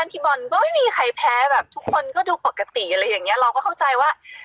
พี่บอลก็ไม่มีใครแพ้ทุกคนก็ดูปกติเราก็เข้าใจว่า